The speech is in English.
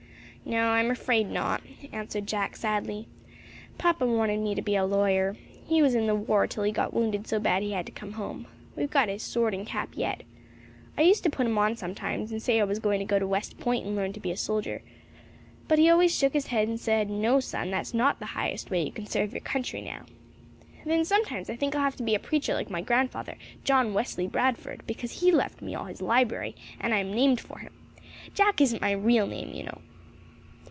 "No, I'm afraid not," answered Jack, sadly. "Papa wanted me to be a lawyer. He was in the war till he got wounded so bad he had to come home. We've got his sword and cap yet. I used to put 'em on sometimes, and say I was going to go to West Point and learn to be a soldier. But he always shook his head and said, 'No, son, that's not the highest way you can serve your country now.' Then sometimes I think I'll have to be a preacher like my grandfather, John Wesley Bradford, because he left me all his library, and I am named for him. Jack isn't my real name, you know."